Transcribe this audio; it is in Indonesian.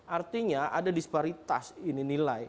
artinya ada disparitas ini nilai